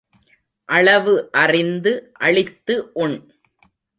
அளவு அறிந்து அளித்து உண்.